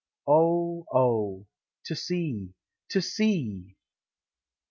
Oh, Oh, to Sea, To Sea!